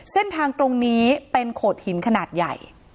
เส้นทางตรงนี้เป็นโขดหินขนาดใหญ่